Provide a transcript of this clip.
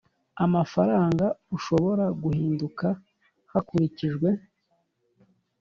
Amafaranga ushobora guhinduka hakurikijwe